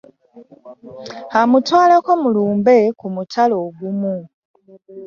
Amutwaleko mu lumbe ku mutala ogumu